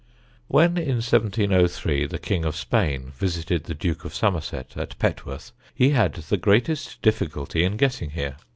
[Sidenote: ROUGH ROADS] When, in 1703, the King of Spain visited the Duke of Somerset at Petworth he had the greatest difficulty in getting here.